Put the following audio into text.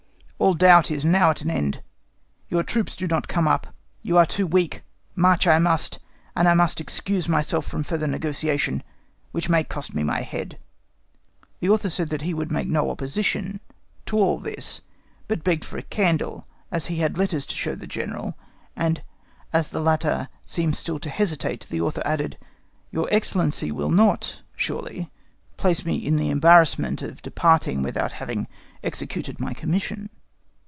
All doubt is now at an end; your troops do not come up; you are too weak; march I must, and I must excuse myself from further negotiation, which may cost me my head." The Author said that he would make no opposition to all this, but begged for a candle, as he had letters to show the General, and, as the latter seemed still to hesitate, the Author added, "Your Excellency will not surely place me in the embarrassment of departing without having executed my commission."